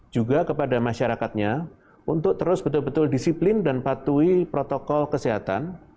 juga kepada masyarakatnya untuk terus betul betul disiplin dan patuhi protokol kesehatan